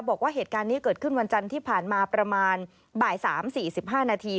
บอกว่าเหตุการณ์นี้เกิดขึ้นวันจันทร์ที่ผ่านมาประมาณบ่าย๓๔๕นาที